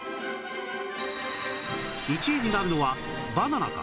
１位になるのはバナナか？